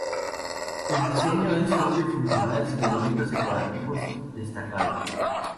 El diseño es sobrio y funcional sin elementos decorativos destacables.